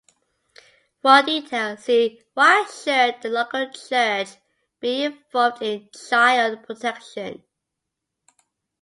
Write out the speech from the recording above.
For a details, see “Why should the local church be involved in Child Protection?”.